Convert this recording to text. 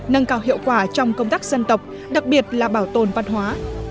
nâng cao hiệu quả trong công tác dân tộc đặc biệt là bảo tồn văn hóa